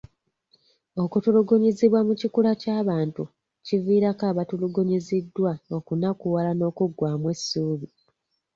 Okutulugunyizibwa mu kikula ky'abantu kiviirako abatulugunyiziddwa okunakuwala n'okuggwamu essuubi.